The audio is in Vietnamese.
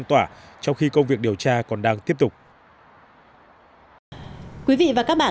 trong khi công việc điều tra còn đang tiếp tục